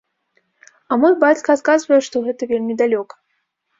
А мой бацька адказвае, што гэта вельмі далёка.